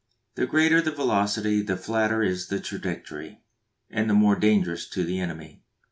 The greater the velocity the flatter is the trajectory, and the more dangerous to the enemy.